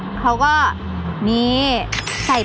เพราะว่าผักหวานจะสามารถทำออกมาเป็นเมนูอะไรได้บ้าง